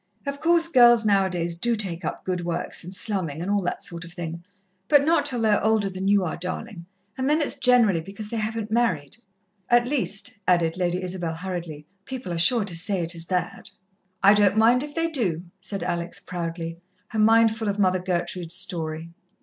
Of course, girls now a days do take up good works and slummin' and all that sort of thing but not till they are older than you are, darling, and then it's generally because they haven't married at least," added Lady Isabel hurriedly, "people are sure to say it is that." "I don't mind if they do," said Alex proudly, her mind full of Mother Gertrude's story.